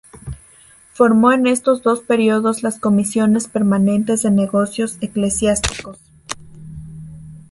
Formó en estos dos períodos las comisiones permanentes de Negocios Eclesiásticos.